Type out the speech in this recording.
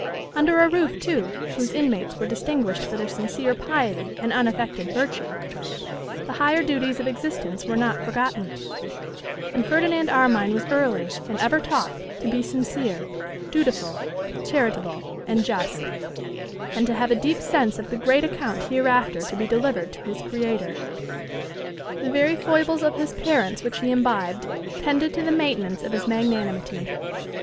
Under a roof, too, whose inmates were distinguished for their sincere piety and unaffected virtue, the higher duties of existence were not forgotten; and Ferdinand Armine was early and ever taught to be sincere, dutiful, charitable, and just; and to have a deep sense of the great account hereafter to be delivered to his Creator. The very foibles of his parents which he imbibed tended to the maintenance of his magnanimity.